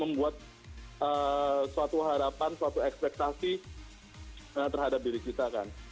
membuat suatu harapan suatu ekspektasi terhadap diri kita kan